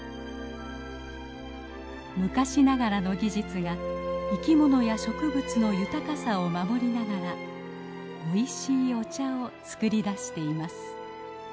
昔ながらの技術が生きものや植物の豊かさを守りながらおいしいお茶を作り出しています。